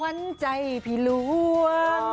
ควันใจผิดล้วน